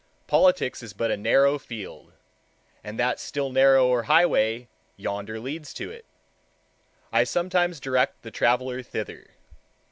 Politics is but a narrow field, and that still narrower highway yonder leads to it. I sometimes direct the traveler thither.